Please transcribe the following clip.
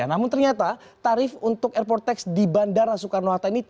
namun ternyata tarif untuk airport tax di bandara soekarno hatta ini